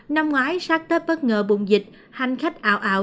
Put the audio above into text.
năm ngoái sát tấp bất ngờ bùng dịch hành khách ảo ảo